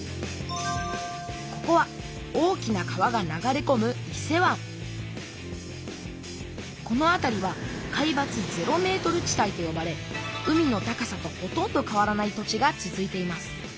ここは大きな川が流れこむこの辺りは海抜０ｍ地帯とよばれ海の高さとほとんど変わらない土地が続いています。